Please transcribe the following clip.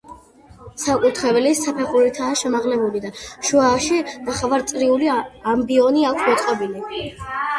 საკურთხეველი საფეხურითაა შემაღლებული და შუაში ნახევარწრიული ამბიონი აქვს მოწყობილი.